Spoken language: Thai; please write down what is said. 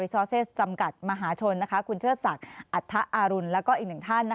ซอเซสจำกัดมหาชนคุณเชิดศักดิ์อัฐอารุณแล้วก็อีกหนึ่งท่าน